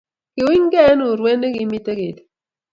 Kikiunygei eng' uliet ne kimito ketit